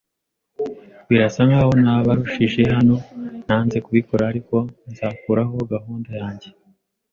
Birasa nkaho nabarushije hano. Nanze kubikora ariko nzakuraho gahunda yanjye.